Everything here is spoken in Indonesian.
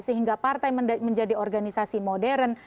sehingga partai menjadi organisasi modern